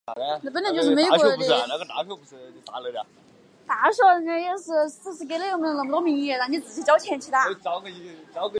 除了选举还是选举